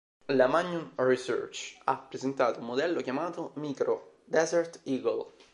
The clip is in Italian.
La Magnum Research ha presentato un modello chiamato "Micro Desert Eagle".